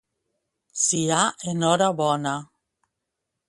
Sia en hora bona.